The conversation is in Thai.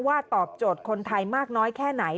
ตอบโจทย์คนไทยมากน้อยแค่ไหน